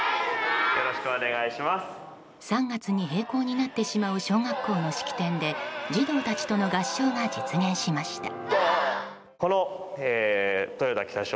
３月に閉校になってしまう小学校の式典で児童たちとの合唱が実現しました。